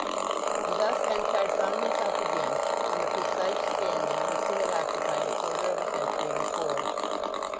And thus Henchard found himself again on the precise standing which he had occupied a quarter of a century before.